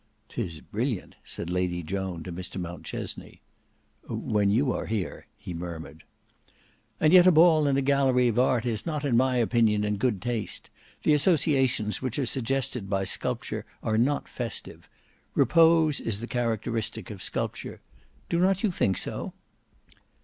"'Tis brilliant," said Lady Joan to Mr Mountchesney. "When you are here," he murmured. "And yet a ball in a gallery of art is not in my opinion in good taste. The associations which are suggested by sculpture are not festive. Repose is the characteristic of sculpture. Do not you think so?"